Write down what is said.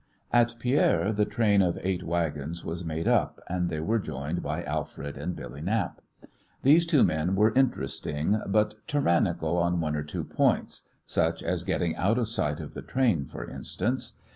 At Pierre the train of eight wagons was made up, and they were joined by Alfred and Billy Knapp. These two men were interesting, but tyrannical on one or two points such as getting out of sight of the train, for instance.